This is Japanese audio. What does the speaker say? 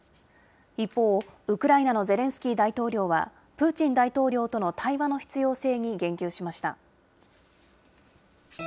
一方、ウクライナのゼレンスキー大統領は、プーチン大統領との対話の必要性に言及しました。